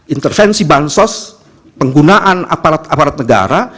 intervensi bansos penggunaan aparat aparat negara